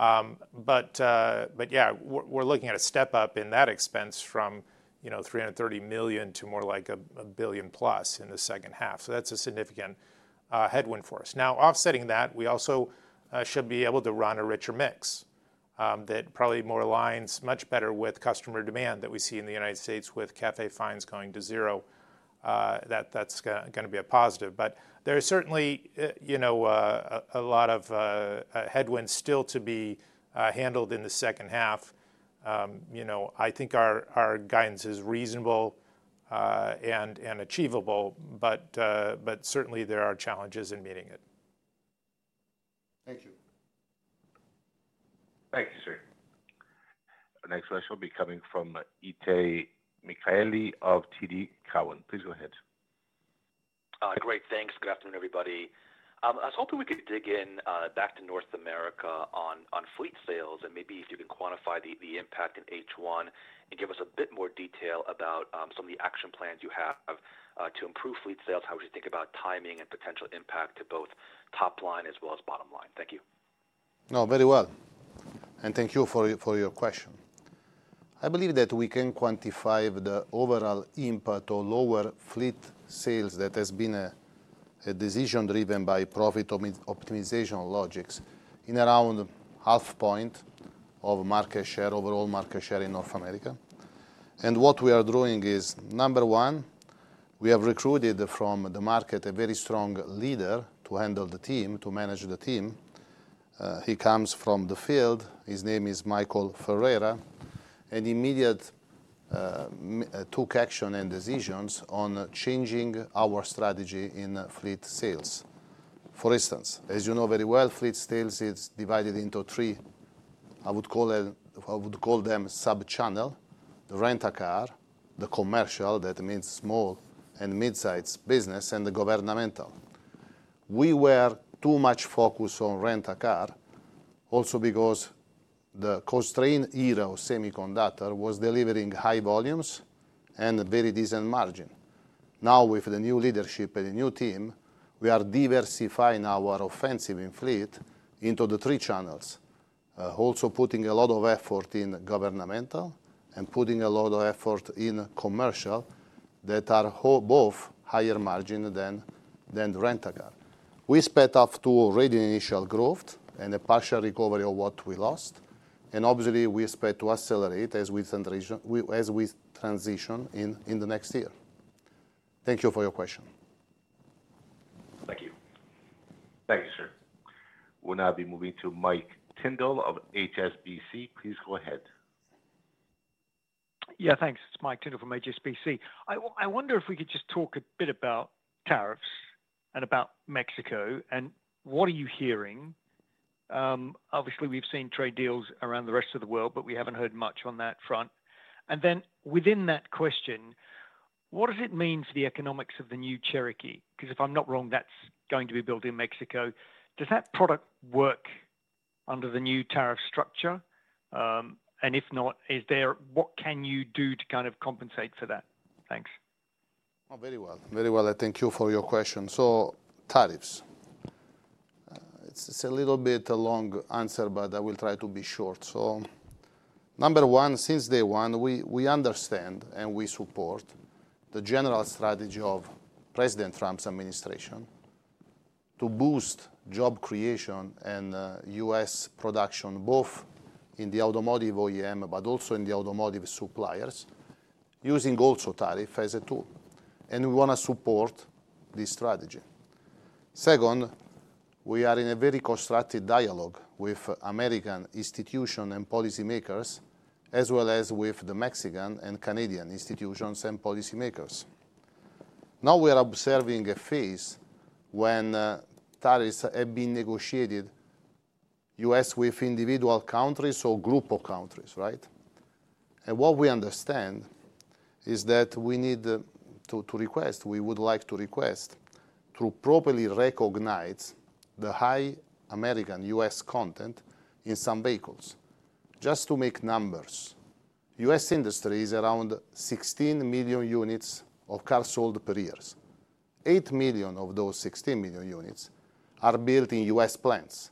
Yeah, we're looking at a step up in that expense from 330 million to more like 1 billion plus in the second half. That's a significant headwind for us. Now, offsetting that, we also should be able to run a richer mix that probably aligns much better with customer demand that we see in the United States with CAFE fines going to zero. That's going to be a positive. There is certainly a lot of headwinds still to be handled in the second half. I think our guidance is reasonable and achievable, but certainly there are challenges in meeting it. Thank you. Thank you, sir. Our next question will be coming from Itay Michaeli of TD Cowen. Please go ahead. Great. Thanks. Good afternoon, everybody. I was hoping we could dig in back to North America on fleet sales and maybe if you can quantify the impact in H1 and give us a bit more detail about some of the action plans you have to improve fleet sales, how would you think about timing and potential impact to both top line as well as bottom line? Thank you. No, very well. Thank you for your question. I believe that we can quantify the overall impact of lower fleet sales that has been a decision driven by profit optimization logics in around half point of market share, overall market share in North America. What we are doing is, number one, we have recruited from the market a very strong leader to handle the team, to manage the team. He comes from the field. His name is Michael Ferreira. He immediately took action and decisions on changing our strategy in fleet sales. For instance, as you know very well, fleet sales is divided into three, I would call them sub-channels: the rent-a-car, the commercial, that means small and midsize business, and the governmental. We were too much focused on rent-a-car also because the constrained era of semiconductor was delivering high volumes and very decent margin. Now, with the new leadership and the new team, we are diversifying our offensive in fleet into the three channels, also putting a lot of effort in governmental and putting a lot of effort in commercial that are both higher margin than rent-a-car. We sped up to already initial growth and a partial recovery of what we lost. Obviously, we expect to accelerate as we transition in the next year. Thank you for your question. Thank you. Thank you, sir. We'll now be moving to Mike Tyndall of HSBC. Please go ahead. Yeah, thanks. It's Mike Tyndall from HSBC. I wonder if we could just talk a bit about tariffs and about Mexico and what are you hearing? Obviously, we've seen trade deals around the rest of the world, but we haven't heard much on that front. Within that question, what does it mean for the economics of the new Cherokee? Because if I'm not wrong, that's going to be built in Mexico. Does that product work under the new tariff structure? If not, what can you do to kind of compensate for that? Thanks. Oh, very well. Very well. Thank you for your question. Tariffs. It's a little bit a long answer, but I will try to be short. Number one, since day one, we understand and we support the general strategy of President Trump's administration to boost job creation and U.S. production, both in the automotive OEM, but also in the automotive suppliers, using also tariff as a tool. We want to support this strategy. Second, we are in a very constructed dialogue with American institutions and policymakers, as well as with the Mexican and Canadian institutions and policymakers. Now we are observing a phase when tariffs have been negotiated, U.S. with individual countries or group of countries, right? What we understand is that we need to request, we would like to request, to properly recognize the high American U.S. content in some vehicles. Just to make numbers, industry is around 16 million units of cars sold per year. 8 million of those 16 million units are built in U.S. plants.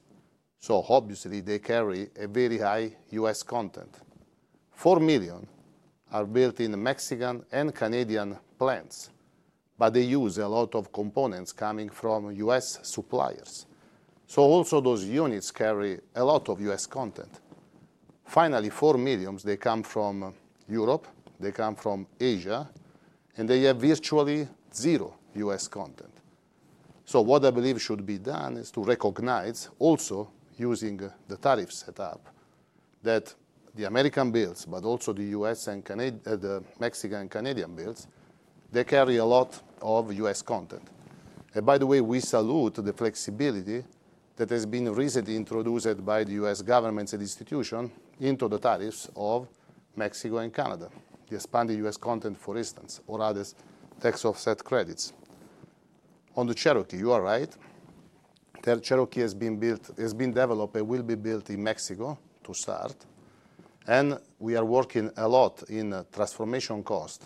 Obviously, they carry a very high U.S. content. 4 million are built in Mexican and Canadian plants, but they use a lot of components coming from U.S. suppliers. Also those units carry a lot of U.S. content. Finally, 4 million, they come from Europe, they come from Asia, and they have virtually zero U.S. content. What I believe should be done is to recognize also using the tariff setup that the American builds, but also the U.S. and Mexican and Canadian builds, they carry a lot of U.S. content. By the way, we salute the flexibility that has been recently introduced by the U.S. government and institution into the tariffs of Mexico and Canada, the expanded U.S. content, for instance, or other tax offset credits. On the Cherokee, you are right. Cherokee has been built, has been developed, and will be built in Mexico to start. We are working a lot in transformation cost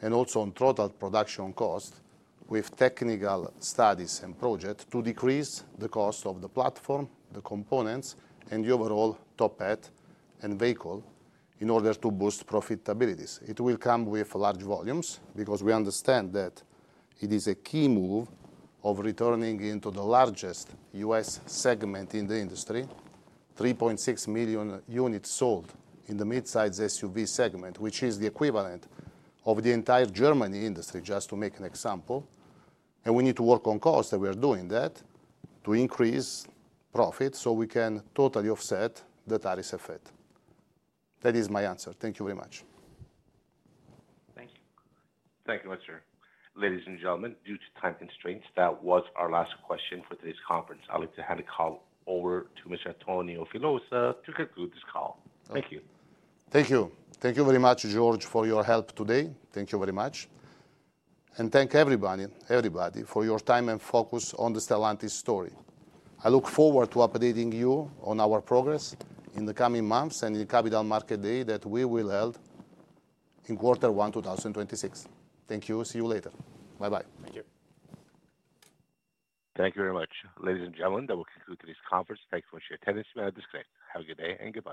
and also on total production cost with technical studies and projects to decrease the cost of the platform, the components, and the overall top hat and vehicle in order to boost profitabilities. It will come with large volumes because we understand that it is a key move of returning into the largest U.S. segment in the industry, 3.6 million units sold in the midsize SUV segment, which is the equivalent of the entire Germany industry, just to make an example. We need to work on cost, and we are doing that to increase profit so we can totally offset the tariff effect. That is my answer. Thank you very much. Thank you. Thank you, Mr. Ladies and gentlemen, due to time constraints, that was our last question for today's conference. I'd like to hand the call over to Mr. Antonio Filosa to conclude this call. Thank you. Thank you. Thank you very much, George, for your help today. Thank you very much. Thank you, everybody, for your time and focus on the Stellantis story. I look forward to updating you on our progress in the coming months and in the capital market day that we will hold in quarter one 2026. Thank you. See you later. Bye-bye. Thank you. Thank you very much. Ladies and gentlemen, that will conclude today's conference. Thank you for sharing attendance with me on this. Have a good day and goodbye.